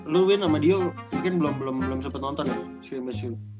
lu win sama dio mungkin belum sempet nonton ya scrimmage lu